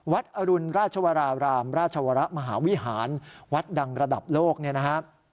อรุณราชวรารามราชวรมหาวิหารวัดดังระดับโลกเนี่ยนะครับ